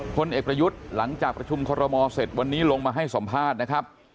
พลเอกประยุทธ์หลังจากประชุมคอรมอเสร็จวันนี้ลงมาให้สัมภาษณ์นะครับ